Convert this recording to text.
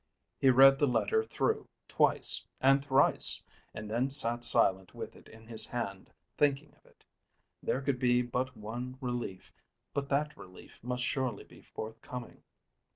He read the letter through twice and thrice, and then sat silent with it in his hand thinking of it. There could be but one relief, but that relief must surely be forthcoming.